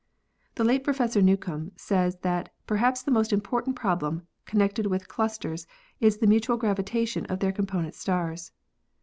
The late Professor Newcomb says that "Perhaps the most important problem connected with clusters is the mutual gravitation of their component stars.